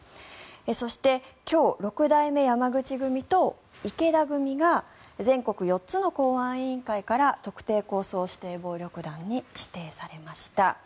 そして、今日六代目山口組と池田組が全国４つの公安委員会から特定抗争指定暴力団に指定されました。